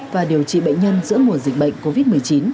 và điều trị bệnh nhân giữa mùa dịch bệnh covid một mươi chín